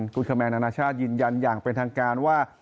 คุณคาแมนนานาชาติยืนยันอย่างเป็นทางการว่า